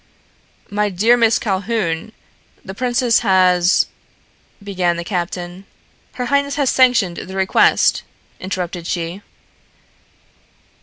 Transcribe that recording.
"My dear Miss Calhoun, the princess has " began the captain. "Her highness has sanctioned the request," interrupted she.